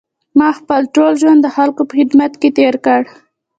ما خپل ټول ژوند د خلکو په خدمت کې تېر کړی.